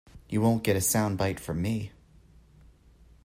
You won’t get a soundbite from me.